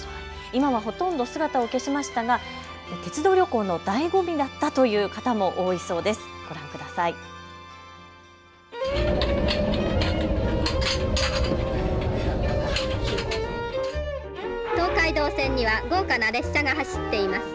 今はほとんど姿を消しましたが鉄道旅行のだいご味だったという方も多いそうです。